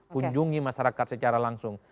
kunjungi masyarakat secara langsung